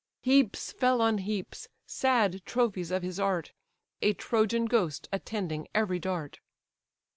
Heaps fell on heaps, sad trophies of his art, A Trojan ghost attending every dart.